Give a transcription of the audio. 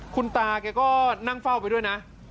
คุณตาแกก็นั่งเฝ้าไปด้วยนะ